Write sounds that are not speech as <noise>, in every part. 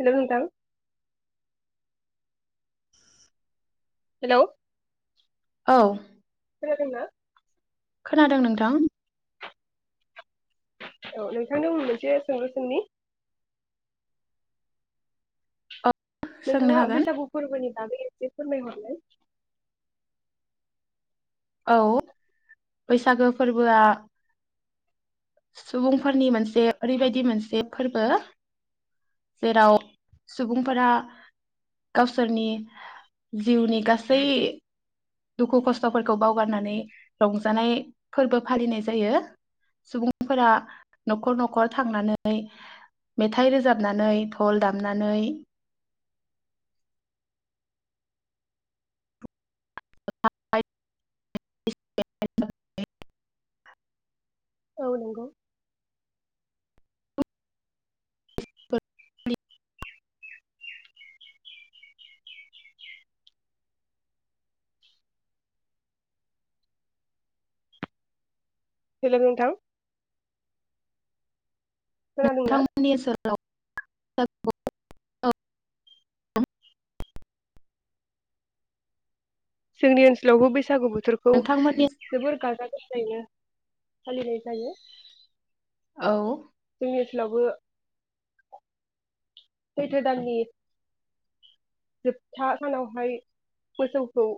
हेल' नोंथां? हेल' औ खोनादों ना? खोनादों नोंथां। औ नोंथां नाव आं मोनसे सोंगु सोंनि? औ सोंनो नोंथाङा हागोन बैसागु फोरबोनि एसे फोरमाय हरलाय? औ बैसागो फोरबोआ सुबुंफोरनि मोनसे ओरैबायदि मोनसे फोरबो। जेराव सुबुंफोरा गावसोरनि जिउनि गासै दुखु खस्थ'फोरखौ बावगारनानै रंजानाय फोरबो फालिनाय जायो सुबुंफोरा न'खर न'खर थांनानै मेथाइ रोजाबनानै धल दामनानै। <unintelligible> औ नंगौ <inaudible> हेल नोंथां? खोनादोंना नोंथांमोननि ओनसोलाव <unintelligible> जोंनि ओनसोलावबो बैसागु बो थोरखौ नोंथांमोननि जोबोर गाजा गोमजा थारैनो फालिनाय जायो। औ जोंनि ओनसोलावबो सैथो दाननि जोबथा सानावहाय मोसौखौ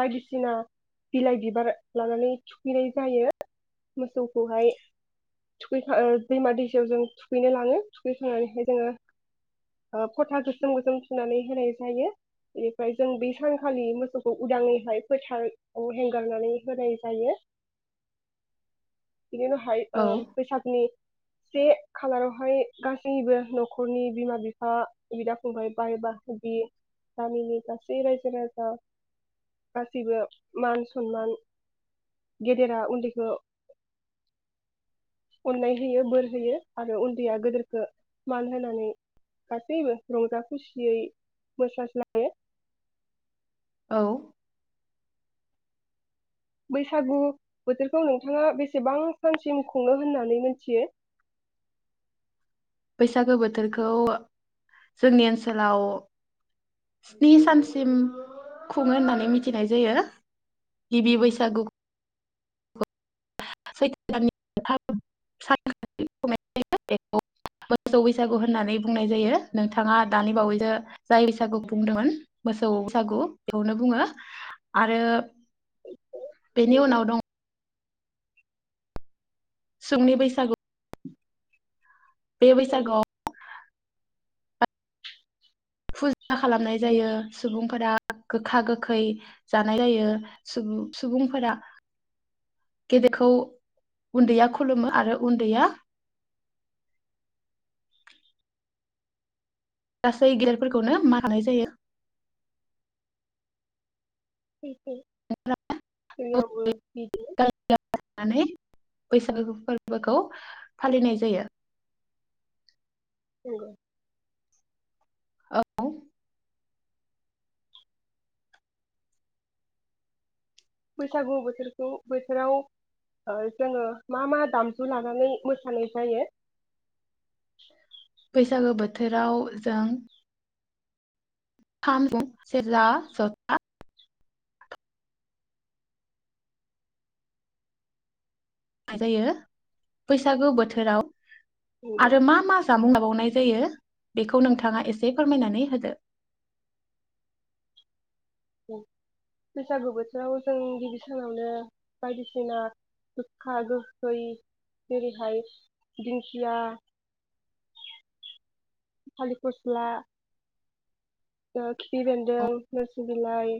बायदिसिना बिलाइ बिबार लानानै थुखैनाय जायो मोसौखौहाय थुखैखां दैमा दैसायाव जों थुखैनो लाङो थुखैखांनानैहाय जोङो फथा गोसोम गोसोम थुनानै होनाय जायो बेनिफ्राय जों बै सानखालि मोसौखौ उदाङैहाय फोथाराव हगारनानै होनाय जायो बिदिनो हाय औ बैसागनि से खालारावहाय गासैबो न'खरनि बिमा बिफा बिदा फंबाय बा एबा बि गामिनि गासै रायजो राजा गासैबो मान सनमान गेदेरा उन्दैखौ अननाय होयो बोर होयो आरो उन्दैया गेदेरखौ मान होनानै गासैबो रंजा खुसियै मोसालायो औ बैसागु बोथोरखौ नोंथाङा बेसेबां सानसिम खुङो होननानै मिथियो बैसागु बोथोरखौ जोंनि ओनसोलाव स्नि सानसिम खुङो होननानै मिथिनाय जायो गिबि बैसागु <unintelligible> मोसौ बैसागु होननानै बुंनाय जायो नोंथाङा दानि बावैजों जाय बैसागु बुंदोंमोन मोसौ बैसागु बेखौनो बुङो आरो बेनि नंगौ उनाव दं सुंनि बैसागु बे बैसागु नंगौ आव फुजा खालामनाय जायो सुबुंफोरा गोखा गोखै जानाय जायो सुबुंफोरा गेदेरखौ उन्दैया खुलुमो आरो उन्दैया गासै गेदेरफोरखौनो मान होनाय जायो सैथो जोंनावबो बिदिनो बैसागु फोरबोखौ फालिनाय जायो नंगौ बैसागु बोथोरखौ बोथोराव जोङो मा मा दामजु लानानै मोसानाय जायो बैसागो बोथोराव जों खाम सेरजा जथा जायो बैसागु बोथोराव नंगौ आरो मा मा जामुं जाबावनाय जायो बेखौ नोंथाङा एसे फोरमायनानै होदो बैसागु बोथोराव जों गिबि सानावनो बायदिसिना गोखा गोखै जेरैहाय दिंखिया थालिर फसला खिफि बेन्दों नोरसि बिलाइ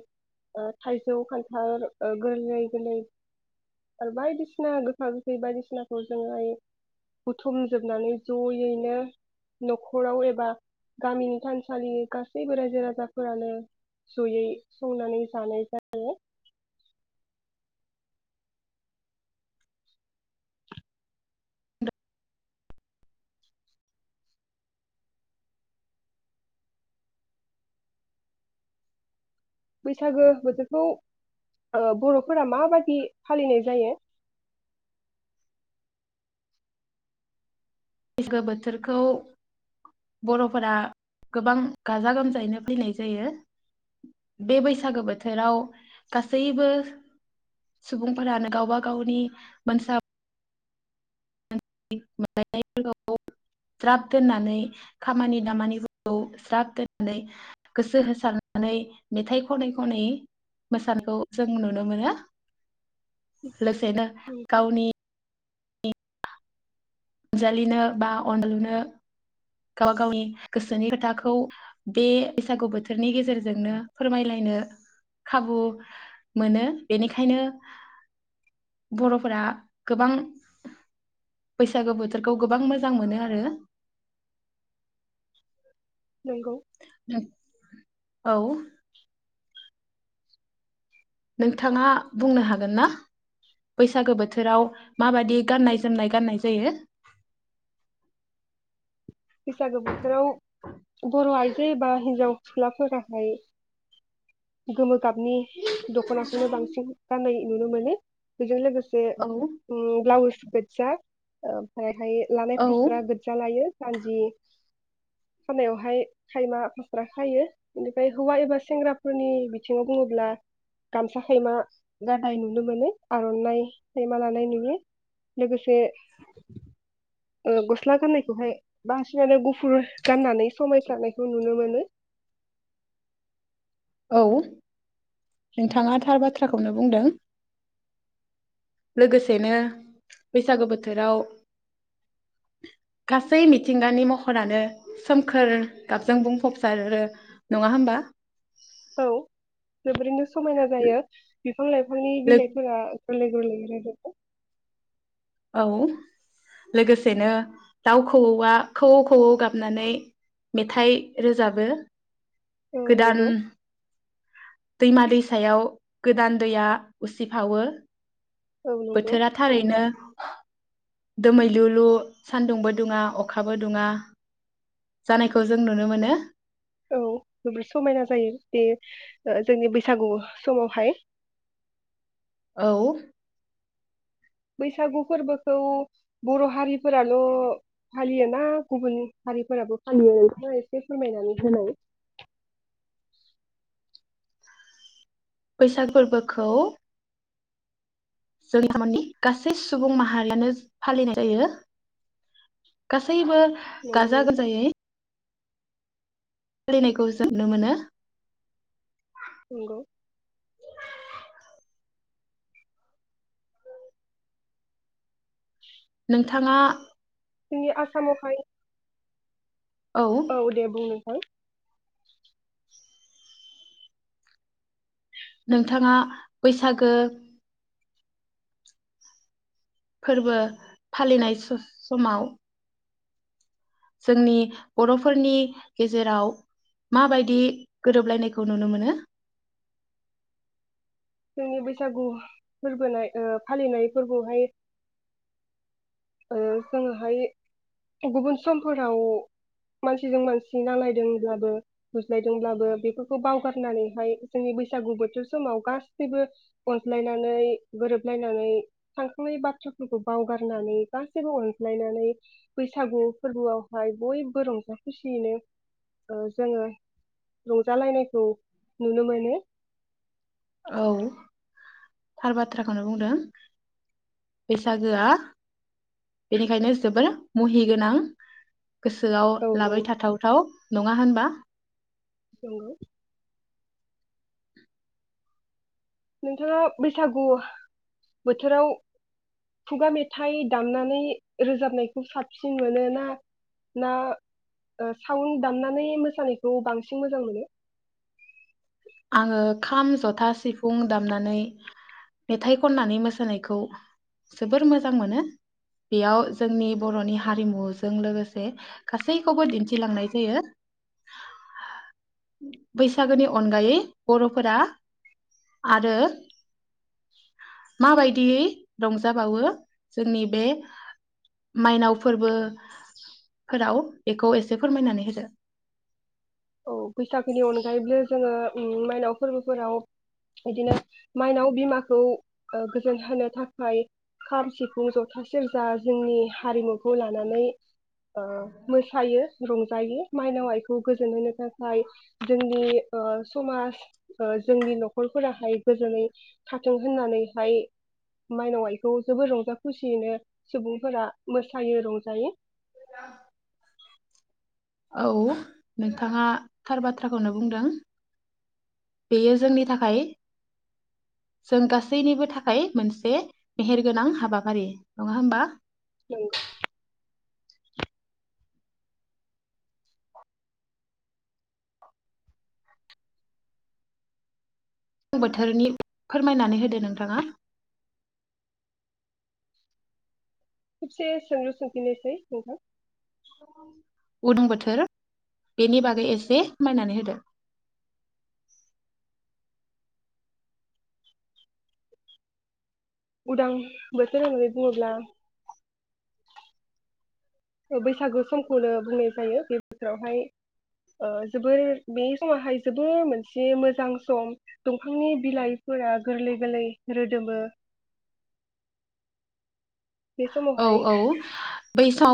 थाइजौ खान्थाल गोरलै गोरलै आरो बायदिसिना गोखा गोखै बायदिसिनाखौ जोङो बुथुमजोबनानै जयैनो न'खराव एबा गामिनि थानसालि गासै जेबो रायजो राजाफोरानो जयै संनानै जानाय जायो बैसागो बोथोरखौ बर'फोरा माबायदि फालिनाय जायो बैसागो बोथोरखौ बर'फोरा गोबां गाजा गोमजायैनो फैनाय जायो बे बैसागो बोथोराव गासैबो सुबुंफोरानो गावबा गावनि मोनसा लायनायफोरखौ ज्राब दोननानै खामानि दामानिफोरखौ ज्राब दोननानै गोसो होसारनानै मेथाइ खनै खनै मोसानायखौ जों नुनो मोनो ल लोगोसेैनो गावनि जालिनो बा अनलुनो गाव गावनि गोसोनि खोथाखौ बे बैसागु बोथोरनि गेजेरजोंनो फोरमायलायनो खाबु मोनो बेनिखायनो बर'फोरा गोबां बैसागु बोथोरखौ गोबां मोजां मोनो आरो नंगौ औ नोंथाङा बुंनो हागोन ना बैसागो बोथोराव माबादि गाननाय जोमनाय गाननाय जायो बैसागो बोथोराव बर' आइजो बा हिन्जाव सिख्लाफोराहाय गोमो गाबनि दख'नाखौनो बांसिन गाननाय नुनो माने बेजों लोगोस से औ ब्लाउस गोजा ओमफाय ओमफाय लानाय औ फास्रा गोज्जा लायो। सान्जि खानायावहाय खायमा फास्रा खायो। बेनिफ्राय हौवा एबा सेंग्राफोरनि बिथिङाव बुङोब्ला गामसा खायमा गाननाय नुनो मोनो आर'नाइ खायमा लानाय नुयो लोगोसे <unintelligible> गस्ला गाननायखौहाय बांसिनानो गुफुर गाननानै समायसारनायखौ नुनो मोनो। औ नोंथाङा थार बाथ्राखौनो बुंदों। लोगोसेनो बैसागो बोथोराव गासै मिथिंगानि महरानो सोमखोर गाबजों बुंफबसारो नङा होमबा? औ जोबोरैनो समायना जायो बिफां लाइफांनि बिलाइफोरा गोरलै गोरलै रोदोमो। औ लोगोसेनो दाउ खौवौआ खौवौ खौवौ गाबनानै मेथाइ रोजाबो। औ गोदान नंगौ। दैमा दैसायाव गोदान दैया उसिफावो। औ नंगौ बोथोरा थारैनो दोमैलुलु सान्दुंबो दुङा अखाबो दुङा जानायखौ जों नुनो मोनो। औ जोबोद समायना जायो बे जोंनि बैसागु समावहाय औ बैसागु फोरबोखौ बर' हारिफोराल' फालियोना गुबुन हारिफोराबो फालियो नोथांआ एसे फोरमायनानै होनाय बैसाग फोरबोखौ जोंनिनि गासै सुबुं माहारियानो फालिनाय जायो। गास गासैबो नंगौ गाजा नोंथां गोमजायै फालिनायखौ जों नुनो मोनो। नंगौ। नोंथाङा जोंनि आसामावहाय औ दे बुंनो <unintelligible> नोंथाङा बैसागो फोरबो फालिनाय स-समाव जोंनि बरफोरनि गेजेराव माबायदि गोरोबलायनायखौ नुनो मोनो? जोंनि बैसागु फोरबोनाय ओ फालिनाय फोरबोआवहाय ओ जोङोहाय गुबुन समफोराव मानसिजों मानसि नांलायदोंब्लाबो बुज्लायदोंब्लाबो बेफोरखौ बावगारनानैहाय जोंनि बैसागु बोथोर समाव गा गासैबो अनज्लायनानै गोरोबलायनानै थांखांनाय बाथ्राफोरखौ बावगारनानै गासैबो अनज्लायनानै बैसागु फोरबोआवहाय बयबो रंजा खुसियैनो ओ जोङो रंजालायनायखौ नुनो मोनो। औ थार बाथ्राखौनो बुंदों बैसागोआ बेनिखायनो जोबोर मुहि गोनां। गोसोआव औ नंगौ लाबाय थाथावथाव नङा होनबा? नंगौ। <inaudible> नोंथाङा बैसागु बोथोराव खुगा मेथाइ दामनानै रोजाबनायखौ साबसिन मोनो ना ना ओ साउन्ड दामनानै मोसानायखौ बांसिन मोजां मोनो? आङो खाम जथा सिफुं दामनानै मेथाइ खननानै मोसानायखौ जोबोर मोजां मोनो। बेयाव जोंनि बरनि हारिमुजों लोगोसे गासैखौबो दिन्थिलांनाय जायो बैसागोनि अनगायै बरफोरा आरो माबायदियै रंजाबावो जोंनि बे माइनाव फोरबो फोराव बेखौ एसे फोरमायनानै होदो औ बैसागोनि अनगायैबो जोङो मायनाव फोरबोफोराव बिदिनो माइनाव बिमाखौ ओ गोजोन होनो थाखाय खाम सिफुं जथा सेरजा जोंनि हारिमुखौ लानानै ओ मोसायो रंजायो माइनाव आइखौ गोजोनहोनो थाखाय जोंनि ओ समाज ओ जोंनि नखरफोराहाय गोजोनै थाथों होननानैहाय माइनाव आइखौ जोबोर रंजा खुसियैनो सुबुंफोरा मोसायो रंजायो औ नोंथाङा थार बाथ्राखौनो बुंदों बेयो जोंनि थाखाय जों गासैनिबो थाखाय मोनसे मेहेर गोनां हाबाफारि नङा होमबा नोंगौ बोथोरनि फोरमायनानै होदो नोंथाङा खेबसे सोंलु सोंफिननोसै नोंथां उदां बोथोर बेनि बागै एसे फोरमायनानै होदो उदां बोथोर होननानै बुङोब्ला बैसागु समखौनो बुंनाय जायो बे बोसोरावहाय ओ जोबोर बे समावाहाय जोबोर मोनसे मोजां सम दंफांनि बिलाइफोरा गोरलै गोरलै रोदोमो बे औ समावहाय औ बै <unintelligible> <inaudible>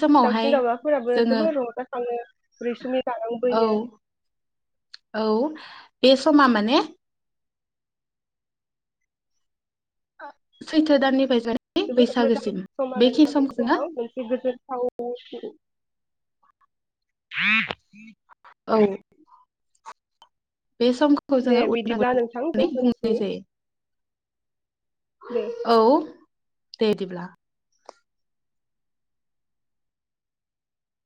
समावहाय दाउसिन दावउलाफोराबो जोङो जोबोर रंजाखाङो रैसुमै गारां औ बोयो औ बे समा माने सैथो दाननिफाय जोबोद मोजां सम आरोना बे समखौ जोङो समाव मोनसे गोजोनथाव <inaudible> औ बे समखौ दे जोङो उदां बिदिब्ला बोथोर नोंथां होननानै बुंनाय दोनथ'नोसै दे। जायो औ दे बिदिब्ला